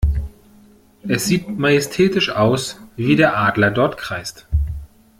Es sieht majestätisch aus, wie der Adler dort kreist.